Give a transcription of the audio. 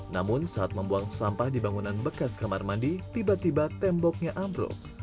namun saat membuang sampah di bangunan bekas kamar mandi tiba tiba temboknya ambruk